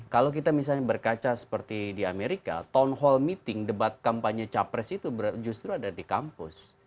kalau kita misalnya berkaca seperti di amerika town hall meeting debat kampanye capres itu justru ada di kampus